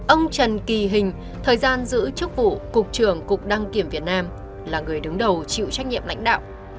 ông trần kỳ hình thời gian giữ chức vụ cục trưởng cục đăng kiểm việt nam là người đứng đầu chịu trách nhiệm lãnh đạo